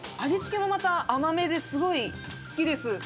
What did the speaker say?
味付けもまた甘めですごい好きです。